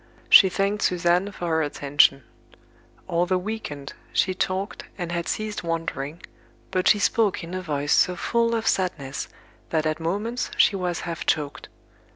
She thanked Suzanne for her attention. Although weakened, she talked, and had ceased wandering, but she spoke in a voice so full of sadness that at moments she was half choked.